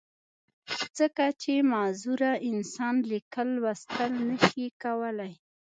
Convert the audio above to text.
ځکه چې معذوره انسان ليکل، لوستل نۀ شي کولی